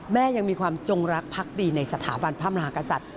ยังมีความจงรักพักดีในสถาบันพระมหากษัตริย์